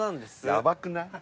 やばくない？